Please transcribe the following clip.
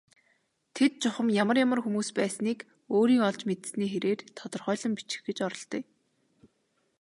Тэд чухам ямар ямар хүмүүс байсныг өөрийн олж мэдсэний хэрээр тодорхойлон бичих гэж оролдъё.